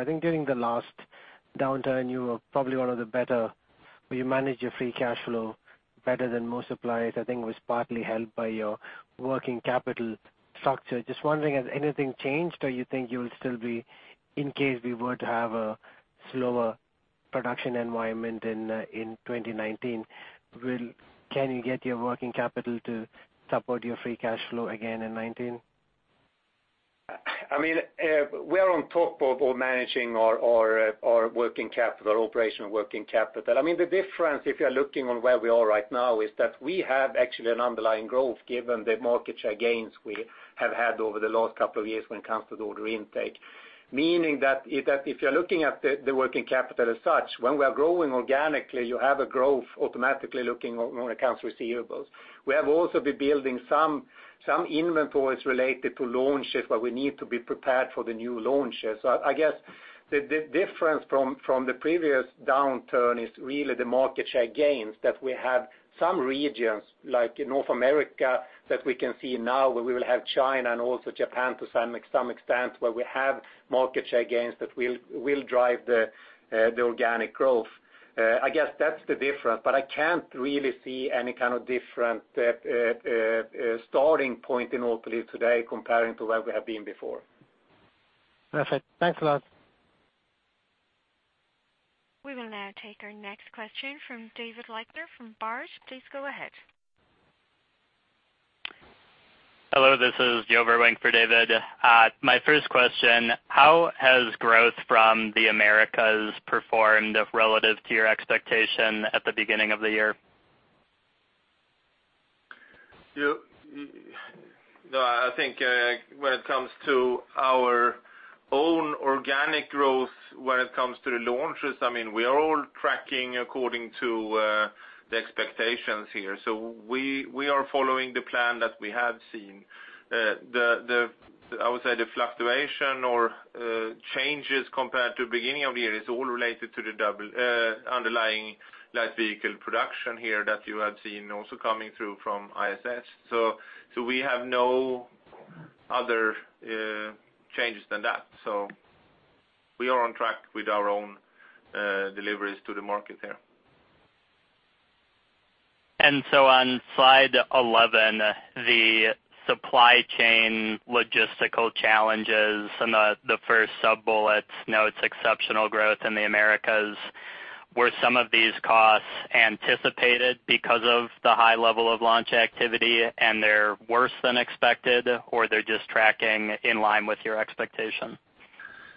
You managed your free cash flow better than most suppliers. I think it was partly helped by your working capital structure. Just wondering, has anything changed, or you think you'll still be, in case we were to have a slower production environment in 2019, can you get your working capital to support your free cash flow again in 2019? We are on top of managing our operational working capital. The difference, if you're looking on where we are right now, is that we have actually an underlying growth given the market share gains we have had over the last couple of years when it comes to the order intake. Meaning that if you're looking at the working capital as such, when we are growing organically, you have a growth automatically looking on accounts receivables. We have also been building some inventories related to launches where we need to be prepared for the new launches. I guess the difference from the previous downturn is really the market share gains that we have some regions, like in North America, that we can see now, where we will have China and also Japan to some extent, where we have market share gains that will drive the organic growth. I guess that's the difference, I can't really see any kind of different starting point in Autoliv today comparing to where we have been before. Perfect. Thanks a lot. We will now take our next question from David Lechner from Berenberg. Please go ahead. Hello, this is Joseph Verbrugge for David. My first question, how has growth from the Americas performed relative to your expectation at the beginning of the year? I think when it comes to our own organic growth, when it comes to the launches, we are all tracking according to the expectations here. We are following the plan that we have seen. I would say the fluctuation or changes compared to beginning of the year is all related to the underlying light vehicle production here that you have seen also coming through from IHS. We have no other changes than that. We are on track with our own deliveries to the market here. On slide 11, the supply chain logistical challenges and the first sub-bullets notes exceptional growth in the Americas. Were some of these costs anticipated because of the high level of launch activity and they're worse than expected? They're just tracking in line with your expectation?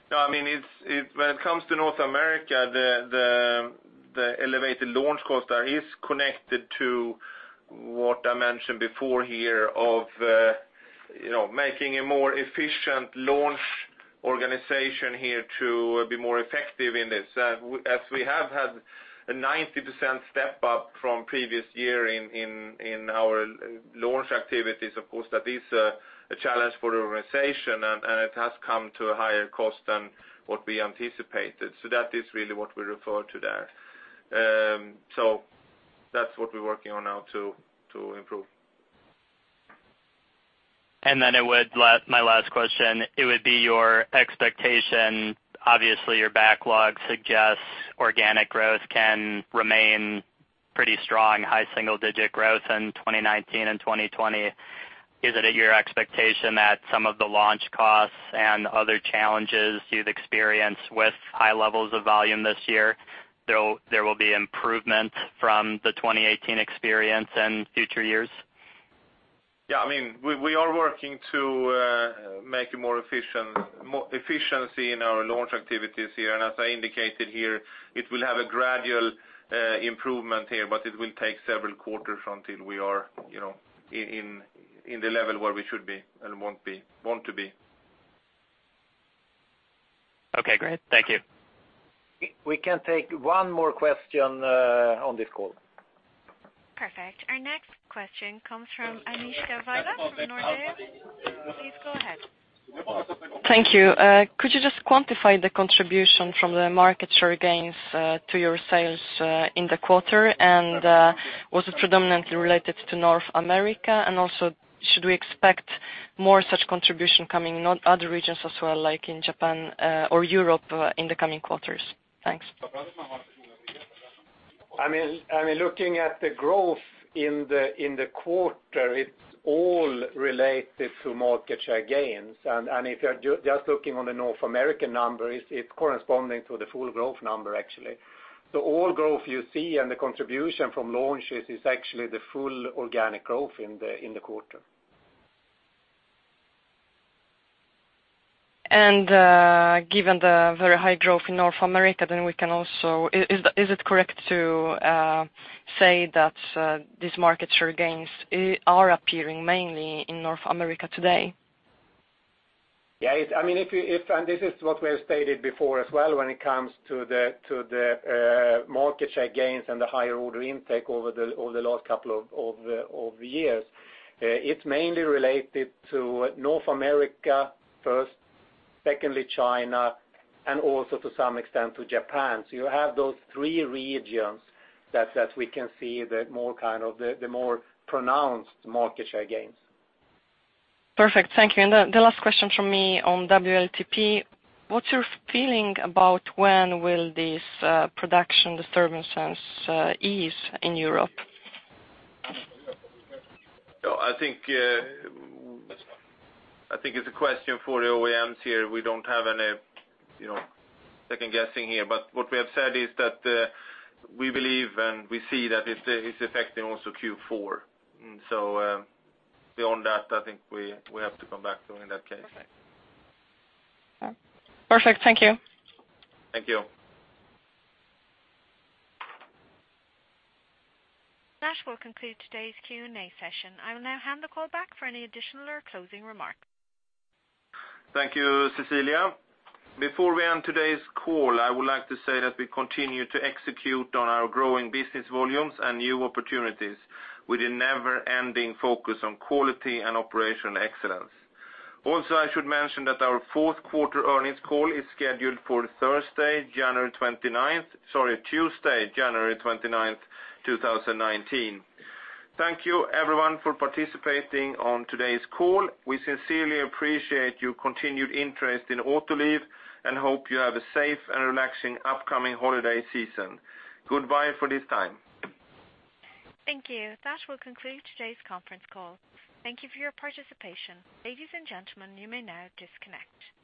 When it comes to North America, the elevated launch cost there is connected to what I mentioned before here of making a more efficient launch organization here to be more effective in this. As we have had a 90% step up from previous year in our launch activities, of course, that is a challenge for the organization, and it has come to a higher cost than what we anticipated. That is really what we refer to there. That's what we're working on now to improve. My last question, it would be your expectation, obviously, your backlog suggests organic growth can remain pretty strong, high single-digit growth in 2019 and 2020. Is it at your expectation that some of the launch costs and other challenges you've experienced with high levels of volume this year, there will be improvement from the 2018 experience in future years? Yeah. We are working to make efficiency in our launch activities here. As I indicated here, it will have a gradual improvement here, but it will take several quarters until we are in the level where we should be and want to be. Okay, great. Thank you. We can take one more question on this call. Perfect. Our next question comes from Agnishwar Kapur from Nordea. Please go ahead. Thank you. Could you just quantify the contribution from the market share gains to your sales in the quarter? Was it predominantly related to North America? Also, should we expect more such contribution coming in other regions as well, like in Japan or Europe in the coming quarters? Thanks. Looking at the growth in the quarter, it's all related to market share gains. If you're just looking on the North American number, it's corresponding to the full growth number, actually. All growth you see and the contribution from launches is actually the full organic growth in the quarter. Given the very high growth in North America, is it correct to say that these market share gains are appearing mainly in North America today? Yeah. This is what we have stated before as well when it comes to the market share gains and the higher order intake over the last couple of years. It's mainly related to North America first, secondly, China, and also to some extent to Japan. You have those three regions that we can see the more pronounced market share gains. Perfect. Thank you. The last question from me on WLTP. What's your feeling about when will these production disturbances ease in Europe? I think it's a question for the OEMs here. We don't have any second guessing here. What we have said is that we believe and we see that it's affecting also Q4. Beyond that, I think we have to come back to in that case. Perfect. Thank you. Thank you. That will conclude today's Q&A session. I will now hand the call back for any additional or closing remarks. Thank you, Cecilia. Before we end today's call, I would like to say that we continue to execute on our growing business volumes and new opportunities with a never-ending focus on quality and operational excellence. Also, I should mention that our fourth quarter earnings call is scheduled for Sorry, Tuesday, January 29th, 2019. Thank you, everyone, for participating on today's call. We sincerely appreciate your continued interest in Autoliv and hope you have a safe and relaxing upcoming holiday season. Goodbye for this time. Thank you. That will conclude today's conference call. Thank you for your participation. Ladies and gentlemen, you may now disconnect.